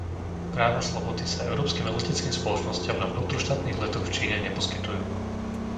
Práva slobody sa európskym leteckým spoločnostiam na vnútroštátnych letoch v Číne neposkytujú.